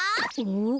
ん？